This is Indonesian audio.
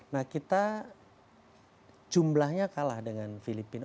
nah kita jumlahnya kalah dengan filipina